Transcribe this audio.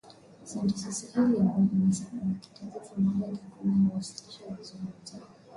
Sentensi sahili ambayo ina kitenzi kimoja kikuu na huwasilisha wazo moja.